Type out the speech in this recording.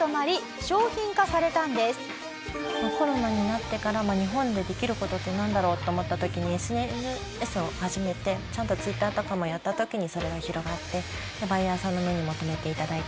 コロナになってから日本でできる事ってなんだろうと思った時にＳＮＳを始めてちゃんとＴｗｉｔｔｅｒとかもやった時にそれが広がってバイヤーさんの目にも留めて頂いてっていう感じでした。